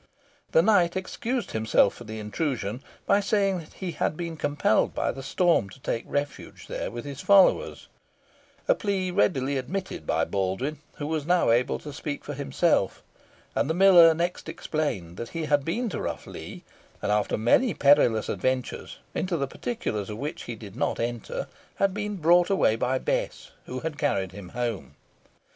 The knight excused himself for the intrusion by saying, he had been compelled by the storm to take refuge there with his followers a plea readily admitted by Baldwyn, who was now able to speak for himself; and the miller next explained that he had been to Rough Lee, and after many perilous adventures, into the particulars of which he did not enter, had been brought away by Bess, who had carried him home.